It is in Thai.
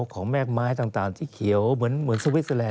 ของแม่กไม้ต่างที่เขียวเหมือนสวิสเตอร์แลน